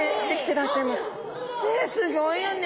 ねっすギョいよね！